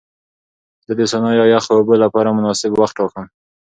زه د سونا یا یخو اوبو لپاره مناسب وخت ټاکم.